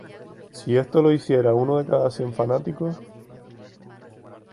Si esto lo hiciera uno de cada cien fanáticos